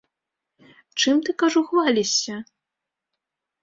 Чым ты, кажу, хвалішся?